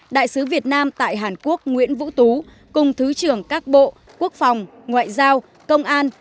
đại sứ việt nam tại hàn quốc nguyễn vũ tú cùng thứ trưởng các bộ quốc phòng ngoại giao công an